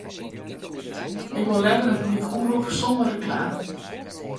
Ik wol leaver in publike omrop sonder reklame.